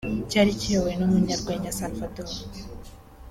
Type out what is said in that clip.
cyari kiyobowe n’umunyarwenya Salvador